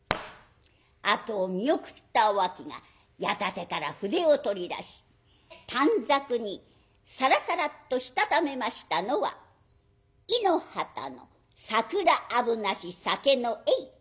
あとを見送ったお秋が矢立てから筆を取り出し短冊にさらさらっとしたためましたのは「井の端の桜あぶなし酒の酔い」。